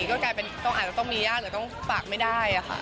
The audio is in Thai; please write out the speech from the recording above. ก็กลายเป็นอาจจะต้องมีญาติหรือต้องฝากไม่ได้ค่ะ